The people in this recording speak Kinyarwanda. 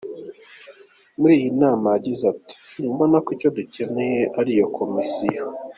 Muri iyi nama we yagize ayi: “simbona ko icyo dukeneye ari iyo Komisiyo.